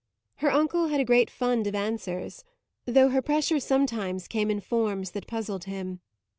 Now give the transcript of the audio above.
Her uncle had a great fund of answers, though her pressure sometimes came in forms that puzzled him.